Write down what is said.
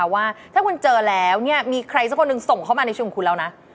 ว่าถ้าคุณเจอแล้วเนี่ยมีใครสักคนหนึ่งส่งเข้ามาในชีวิตของคุณแล้วนะ